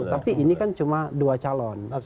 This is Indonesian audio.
tapi ini kan cuma dua calon